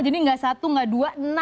jadi gak satu gak dua enam